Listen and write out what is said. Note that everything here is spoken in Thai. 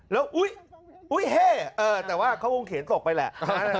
แล้วอุ๊ยเฮ่แต่ว่าเขาคงเขียนตกไปแหละ